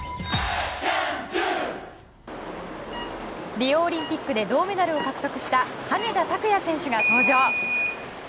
リオオリンピックで銅メダルを獲得した羽根田卓也選手が登場。